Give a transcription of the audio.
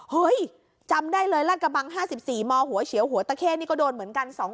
เฮ้ยจำได้เลยลาดกระบัง๕๔มหัวเฉียวหัวตะเข้นี่ก็โดนเหมือนกัน